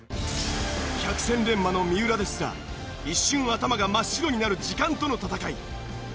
百戦錬磨の三浦ですら一瞬頭が真っ白になる時間との闘い。